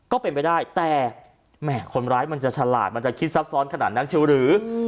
ก็เป็นไปได้แต่แหมคนร้ายมันจะฉลาดมันจะคิดซับซ้อนขนาดนั้นชิวหรือ